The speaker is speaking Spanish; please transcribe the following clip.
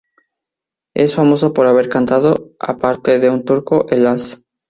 Es famoso por haber cantado, aparte de en turco, en laz.